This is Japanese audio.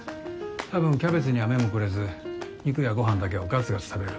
たぶんキャベツには目もくれず肉やご飯だけをガツガツ食べる。